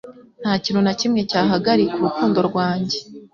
Nta kintu na kimwe cyahagarika urukundo rwanjye